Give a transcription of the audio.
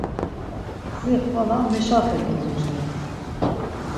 Si xvala meşaxedi oncires.